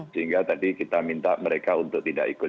sehingga tadi kita minta mereka untuk tidak ikut